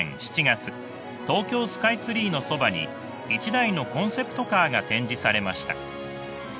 東京スカイツリーのそばに一台のコンセプトカーが展示されました。